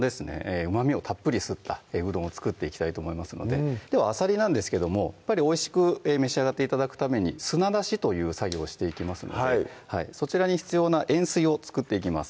うまみをたっぷり吸ったうどんを作っていきたいと思いますのでではあさりなんですけどもおいしく召し上がって頂くために砂出しという作業をしていきますのでそちらに必要な塩水を作っていきます